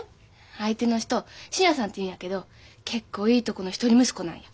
相手の人信也さんっていうんやけど結構いいとこの一人息子なんよ